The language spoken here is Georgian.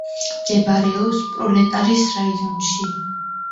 მდებარეობს პროლეტარის რაიონში.